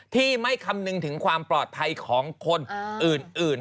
ที่ไม่คำนึงถึงความปลอดภัยของคนอื่น